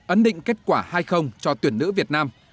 ấn định kết quả hai cho tuyển nữ việt nam